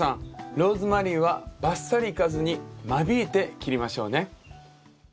ローズマリーはバッサリいかずに間引いて切りましょうね。